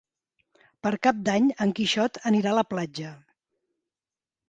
Per Cap d'Any en Quixot anirà a la platja.